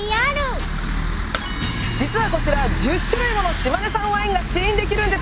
実はこちら１０種類もの島根産ワインが試飲できるんです。